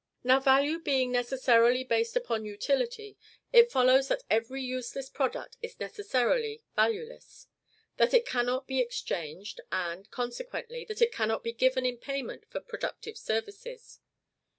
Now, value being necessarily based upon utility, it follows that every useless product is necessarily valueless, that it cannot be exchanged; and, consequently, that it cannot be given in payment for productive services.